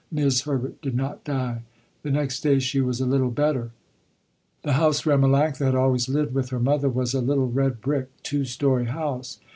'Mis' Herbert did not die. The next day she was a little better. This house where Melanctha had always lived with her mother was a little red brick, two story house.